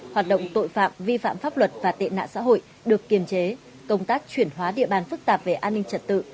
hoạt động tội phạm vi phạm pháp luật và tệ nạn xã hội được kiềm chế công tác chuyển hóa địa bàn phức tạp về an ninh trật tự